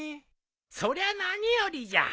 そりゃ何よりじゃ。